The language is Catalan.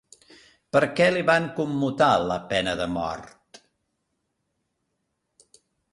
Per què li van commutar la pena de mort?